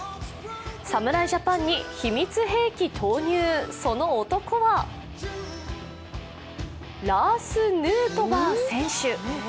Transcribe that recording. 侍ジャパンに秘密兵器投入、その男はラース・ヌートバー選手。